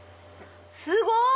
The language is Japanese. すごい！